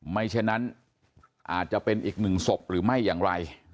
ฉะนั้นอาจจะเป็นอีกหนึ่งศพหรือไม่อย่างไร